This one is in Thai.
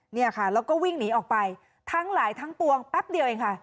เนี่ยค่ะแล้วก็วิ่งหนีออกไปทั้งหลายทั้งปวงแป๊บเดียวเองค่ะ